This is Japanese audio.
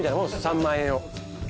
３万円を。